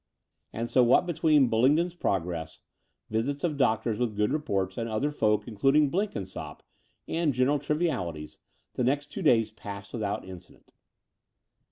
And so what between Bullingdon's progress, visits of doctors with good reports, and other folk, including Blenkinsopp, and general trivialities, the next two days passed without incident.